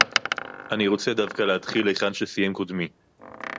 אני רוצה דווקא להתחיל היכן שסיים קודמי